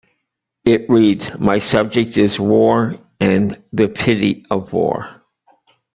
It reads: My subject is War, and the pity of War.